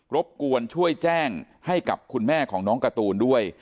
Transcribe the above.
บกวนช่วยแจ้งให้กับคุณแม่ของน้องการ์ตูนด้วย